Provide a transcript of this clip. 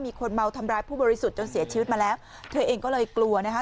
มีคนเมาทำร้ายผู้บริสุทธิ์จนเสียชีวิตมาแล้วเธอเองก็เลยกลัวนะคะ